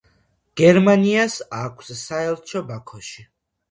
გერმანიას აქვს საელჩო ბაქოში.